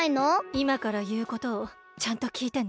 いまからいうことをちゃんときいてね。